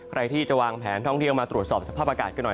ใครที่จะวางแผนท่องเที่ยวมาตรวจสอบสภาพอากาศกันหน่อย